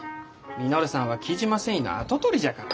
稔さんは雉真繊維の跡取りじゃから。